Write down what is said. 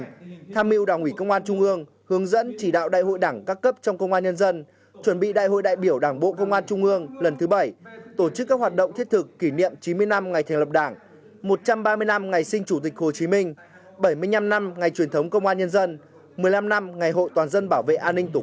tham mưu đảng ủy công an trung ương hướng dẫn chỉ đạo đại hội đảng các cấp trong công an nhân dân chuẩn bị đại hội đại biểu đảng bộ công an trung ương lần thứ bảy tổ chức các hoạt động thiết thực kỷ niệm chín mươi năm ngày thành lập đảng một trăm ba mươi năm ngày sinh chủ tịch hồ chí minh bảy mươi năm năm ngày truyền thống công an nhân dân một mươi năm năm ngày hội toàn dân bảo vệ an ninh tổ quốc